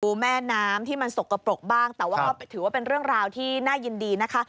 แม่น้ำที่มันสกปรกบ้างแต่ว่าก็ถือว่าเป็นเรื่องราวที่น่ายินดีนะคะ